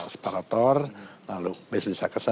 separator lalu bisa bisa